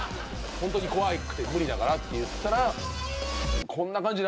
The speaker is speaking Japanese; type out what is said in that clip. ホントに怖くて無理だからって言ってたら。